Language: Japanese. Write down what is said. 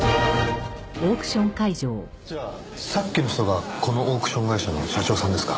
じゃあさっきの人がこのオークション会社の社長さんですか。